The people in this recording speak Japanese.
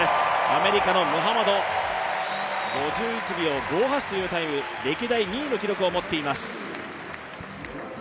アメリカのムハマド、５１秒５８というタイム歴代２位の記録を持っています。